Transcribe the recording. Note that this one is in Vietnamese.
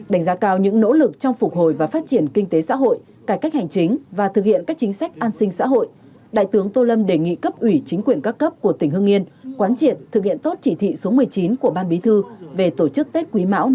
đánh giá cao những nỗ lực trong phục hồi và phát triển kinh tế xã hội cải cách hành chính và thực hiện các chính sách an sinh xã hội đại tướng tô lâm đề nghị cấp ủy chính quyền các cấp của tỉnh hương yên quán triệt thực hiện tốt chỉ thị số một mươi chín của ban bí thư về tổ chức tết quý mão hai nghìn hai mươi